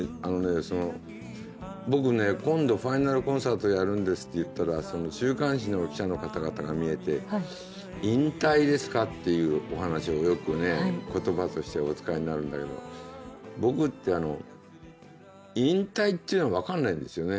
その僕ね今度ファイナル・コンサートやるんですって言ったら週刊誌の記者の方々が見えて「引退ですか？」っていうお話をよくね言葉としてお使いになるんだけど僕って「引退」っていうの分かんないんですよね。